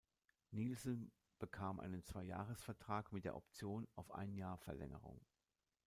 Nielsen bekam einen Zweijahresvertrag mit der Option auf ein Jahr Verlängerung.